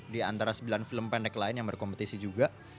di antara sembilan film pendek lain yang berkompetisi juga